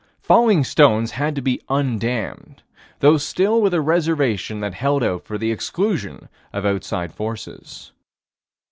Falling stones had to be undamned though still with a reservation that held out for exclusion of outside forces.